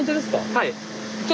はい。